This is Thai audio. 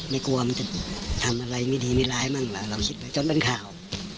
ไม่กลัวมันจะทำอะไรไม่ดีไม่ร้ายมั่งล่ะเราคิดไปจนเป็นข่าว